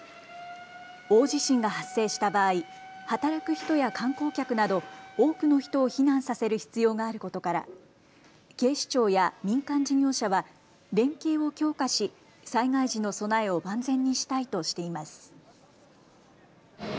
大地震が発生した場合、働く人や観光客など多くの人を避難させる必要があることから警視庁や民間事業者は連携を強化し災害時の備えを万全にしたいとしています。